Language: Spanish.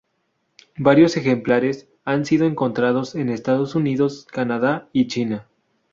Varios ejemplares han sido encontrados en Estados Unidos, Canadá y China.